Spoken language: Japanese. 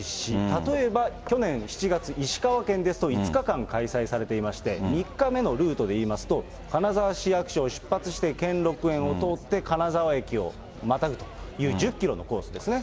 例えば去年７月、石川県ですと、５日間開催されていて、３日目のルートでいいますと、金沢市役所を出発して、兼六園を通って金沢駅をまたぐという、１０キロのコースですね。